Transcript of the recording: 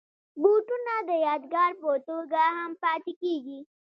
بوټونه د یادګار په توګه هم پاتې کېږي.